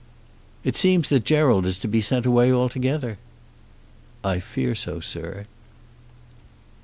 "It seems that Gerald is to be sent away altogether." "I fear so, sir."